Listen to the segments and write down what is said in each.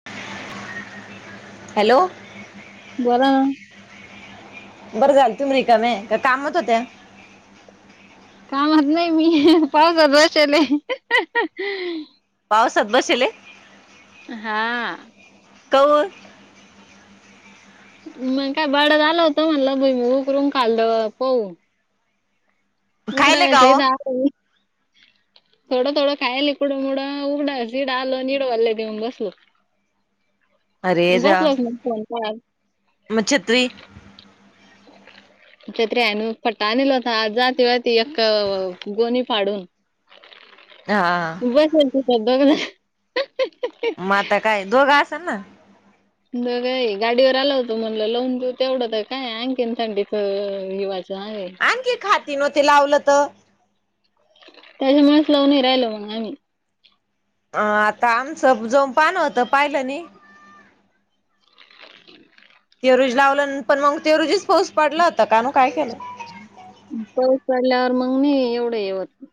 [unintelligible] Hello बला बरं झालंल तुम रिका म का कामत होत्या कामात नाही मी पावसात बषले पावसात बसेले हा काऊ मग काय बड झा आलं होत म्हणला ब मग उकरून काललं पाह मुकडा व्याच रुसया. थोड थोडं खायली कुड मोड उघडा झीड आलो नि वल्ले देऊन बसू अरेजा मग फोन पाहत. म छत्री. छत्री अन फटा अनल होता. जातीवतीी ईक गोणी फाडून. दहा. कशाने धुता दगड, म आता काय दोघं आसन ना. द का गाडीवर आला होतो म्हणलं लावून देऊ तेवढंत काय आहे, आणखीन थंडीच हिवाचं आहे. आणखी खाती नव्ह ते लावलं तर त्याच्या मूळचं लावूनही राहिलो, मग आम्ही. अ आता आमचं जोन पान होतं पाहिलं नहीं. [inaudible] ते रोजी लावलं पण मग, ते रोजीच पाऊस पडला होता कान काय केलं. पाऊस पडल्यावर मग नाही एवढं हे होतं.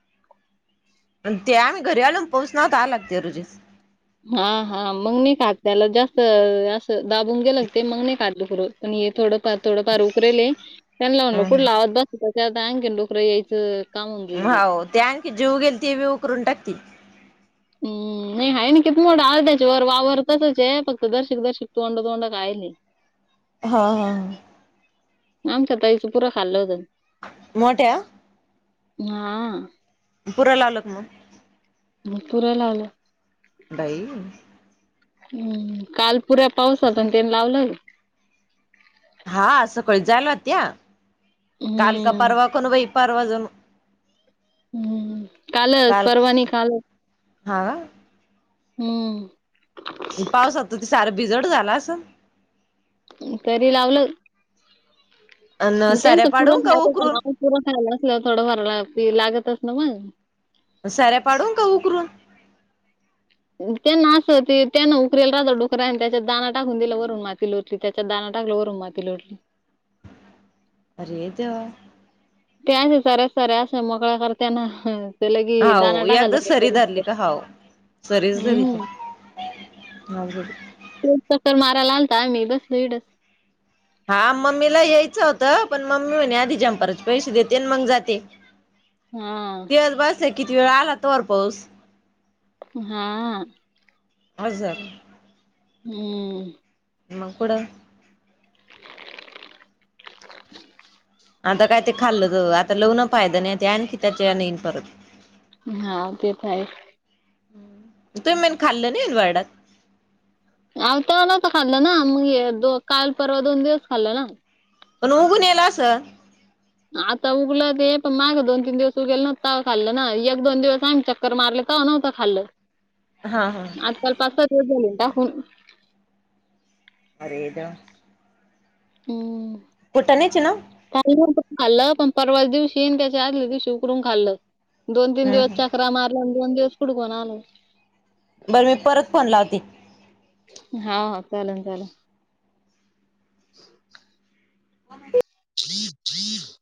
अन् ते आम्ही घरी आलून पाऊस नवता आला ते रोजीस. हा हा मग नाही खात त्याला जास्त असं दाबून गेलं क ते मग नाही खात गुर. आणि हे थोडंफार थोडंफार उकरेल हे त्यानं म्हणल हम्म कुढे लावावत. त्याच्यात आणखीन दुखणं यायचं काम होऊन जाईन ते. होव त्या आणखी जेऊ गेल ती बी उकरून टाकतील. ऊ ऊ ऊ नाही आहे ना किती मोठं अर्ध्याचा वर वावर तसंच हे फक्त गडतोंड तोंड कायेल हे. हा हा हा. आमच्या ताईच पूर खाल्ल होतन. मोठ्या हा पुरा लावलात मग? मग पुरा लावलं बाई हम्म, काल पुऱ्या पाऊस होता आणि तेनं लावलं हा सकाळी जायलागत्या हम्म. [inaudible] परवा कोण बई परवा जणु हम्म हम. कालच काल परवा नई कालचं. हा हम्म. पावसात त ती सारं भिजड झाला असन? तरी लावलं. अन मग त्यांच सऱ्या पाडून पुरण [inaudible] का उकरून खायला नसल्यावर थोडंफार लागतच ना मग. सऱ्या पाडून का उकरून? त्यांना असं ती त्यांना उखरेल राजा डोकरा्या आणि त्याच्यात दाना टाकून दिला वरून माती लो त्याच्यात दाना टाकल वरून माती लोटली. अरेे देवा! त्यांनी सऱ्या सऱ्या अस मोकळ्या करतेना. हा होव. एकदा सरी धरली का हाव सरीच धरिते. हम्म. [inaudible] [inaudible] चक्कर मारायला आलता आम्ही बसलोय इकडंचं. हा मम्मीला यायचं होतं पण मम्मी म्हणे आधी झम्परचे पैसे देते अण मंग जाते. हम. तेच बस किती वेळ आला तोवर पाऊस. हा. हजर हम्म! मगं पुढ आता काय ते खाल्ल आता लव्न पाहियं नाही ते आण की त्याच्या नन परत हा ते यच तु मन खाल्लं नाही येल वर्डात आताला तर खाल्लं ना मग दो काल परवा दोन दिवस खाल्ल ना पण उघूनला असं आता उगल ते पण माग दोन तीन दिवस उगेल न ताव खाल्ल ना एक दोन दिवस आमच्या मारलं तरव न्हतं खाल्लं. हा हा. आजकाल पाच सहा दिवस झाले टाकून. [inaudible] हम्! फुटाण्याची ना. खाल्लं खाल्लं पण परवा दिवशी येईन त्याच्या आदल्या दिवशी उकरून खाल्लं. दोन तीन हम्म दिवस हम्म चकरा मारल्या आणि दोन दिवस कुठं कोण आलं बरं मी परत फोन लावती. हा चालेल चालेल. [inaudible] [inaudible] [inaudible]